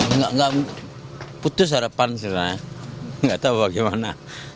enggak enggak putus harapan sebenarnya nggak tahu bagaimana